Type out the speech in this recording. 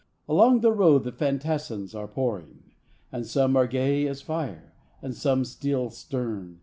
Along the road the "fantassins" are pouring, And some are gay as fire, and some steel stern.